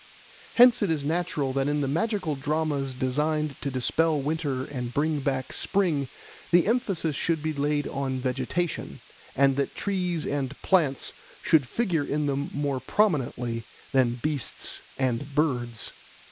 Hence it is natural that in the magical dramas designed to dispel winter and bring back spring the emphasis should be laid on vegetation, and that trees and plants should figure in them more prominently than beasts and birds.